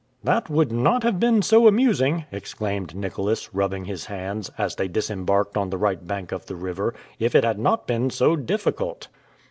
"That would not have been so amusing," exclaimed Nicholas, rubbing his hands, as they disembarked on the right bank of the river, "if it had not been so difficult."